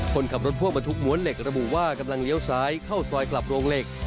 คนขับรถพ่วงบรรทุกม้วนเหล็กระบุว่ากำลังเลี้ยวซ้ายเข้าซอยกลับโรงเหล็ก